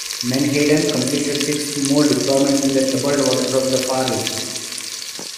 "Menhaden" completed six more deployments in the troubled waters of the Far East.